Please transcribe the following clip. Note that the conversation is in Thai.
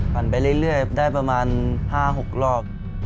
ไปเรื่อยได้ประมาณ๕๖รอบ